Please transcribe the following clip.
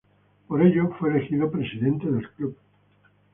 Por ello fue elegido Presidente del club.